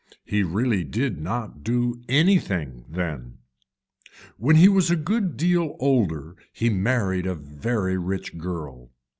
He really did not do anything then. When he was a good deal older he married a very rich girl.